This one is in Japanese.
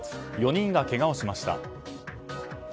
４人がけがをしました。